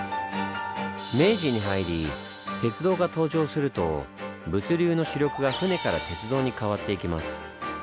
明治に入り鉄道が登場すると物流の主力が舟から鉄道にかわっていきます。